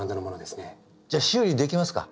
じゃあ修理できますか？